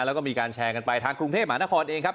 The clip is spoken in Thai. แล้วก็มีการแชร์กันไปทางกรุงเทพหมานครเองครับ